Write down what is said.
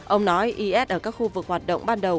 ông nói is ở các khu vực hoạt động ban đầu